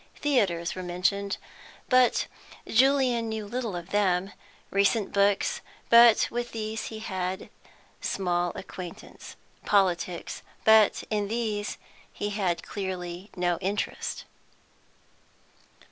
Theatres were mentioned, but Julian knew little of them; recent books, but with these he had small acquaintance; politics, but in these he had clearly no interest.